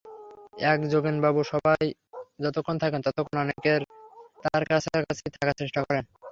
এক, যোগেনবাবু সভায় যতক্ষণ থাকেন, ততক্ষণ অনেকেই তাঁর কাছাকাছি থাকার চেষ্টা করেন।